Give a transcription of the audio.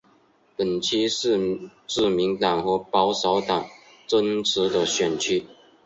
本区是自民党和保守党争持的选区。